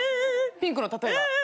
ピンクの例えが。